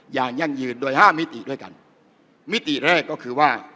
ยั่งยืนโดยห้ามิติด้วยกันมิติแรกก็คือว่า